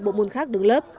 bộ môn khác đứng lớp